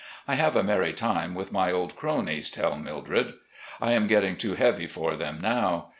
I have a merry time with my old cronies, tell Mildred. I am getting too heavy for them now.